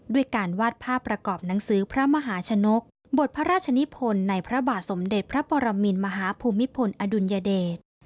ด้วยการวาดภาพประกอบหนังสือพระมหาชนกบทพระราชนิพลในพระบาทสมเด็จพระปรมินมหาภูมิพลอดุลยเดช